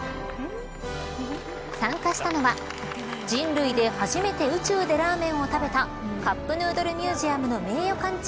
参加したのは人類で初めて宇宙でラーメンを食べたカップヌードルミュージアムの名誉館長